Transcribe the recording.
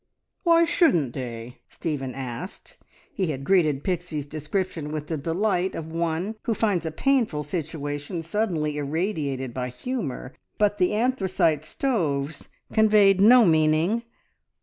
"Why shouldn't they?" Stephen asked. He had greeted Pixie's description with the delight of one who finds a painful situation suddenly irradiated by humour, but the anthracite stoves conveyed no meaning.